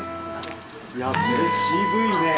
いやこれ渋いね。